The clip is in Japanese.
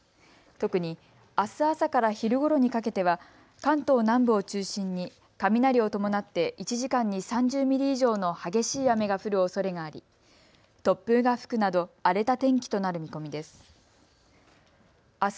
特に、あす朝から昼ごろにかけては関東は南部を中心に雷を伴って１時間に３０ミリ以上の激しい雨が降るおそれがあり、突風が吹くなど荒れた天気となる見込みです。